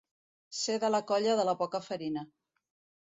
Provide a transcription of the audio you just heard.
Ser de la colla de la poca farina.